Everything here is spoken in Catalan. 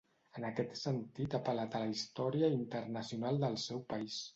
En aquest sentit ha apel·lat a la història ‘internacional’ del seu país.